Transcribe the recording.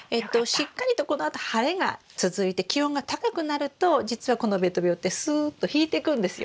しっかりとこのあと晴れが続いて気温が高くなるとじつはこのべと病ってすっと引いてくんですよ。